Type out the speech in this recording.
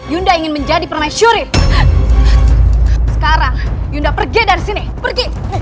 yunda ingin menjadi permaisuri sekarang yunda pergi dari sini pergi